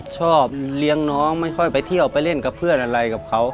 ชอบเลี้ยงน้องไม่ค่อยไปเที่ยวไปเล่นกับเพื่อนอะไรกับเขา